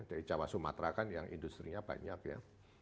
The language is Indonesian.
dari jawa sumatera kan yang industri nya banyak ya